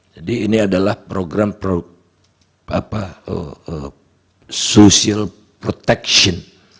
jadi ini adalah program social protection